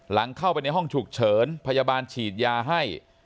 หลังเข้าไปในห้องฉุกเฉินพยาบาลฉีดยาให้